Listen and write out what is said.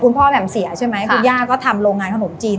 คุณพ่อแบบเสียใช่ไหมค่ะคุณยาก็ทำโรงงานขนมจีน